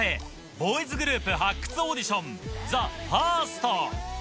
ボーイズグループ発掘オーディション、ＴＨＥＦＩＲＳＴ。